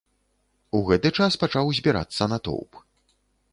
У гэты час пачаў збірацца натоўп.